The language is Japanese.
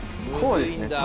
こうですね。